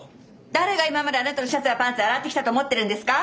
誰が今まであなたのシャツやパンツ洗ってきたと思ってるんですか！？